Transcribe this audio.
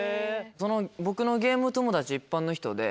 僕のゲーム友達一般の人で。